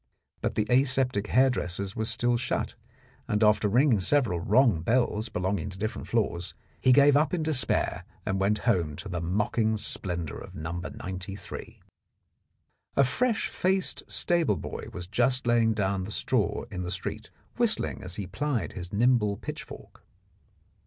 But the aseptic hairdresser's was still shut, and after ringing several wrong bells belonging to different floors, he gave up in despair and went home to the mocking splendour of No. 93. A fresh faced stable boy was just laying down the straw in the street, whistling as he plied his nimble pitchfork.